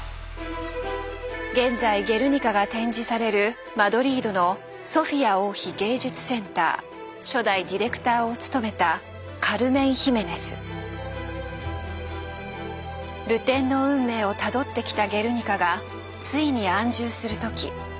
現在「ゲルニカ」が展示されるマドリードのソフィア王妃芸術センター初代ディレクターを務めた流転の運命をたどってきた「ゲルニカ」がついに安住する時。